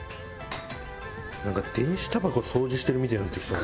なんか電子タバコ掃除してるみたいになってきた。